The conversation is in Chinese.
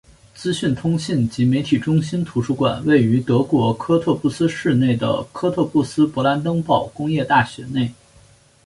资讯通信及媒体中心图书馆位于德国科特布斯市内的科特布斯勃兰登堡工业大学内。